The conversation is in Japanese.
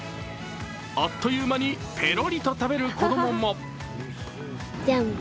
あっという間にペロリと食べる子供も。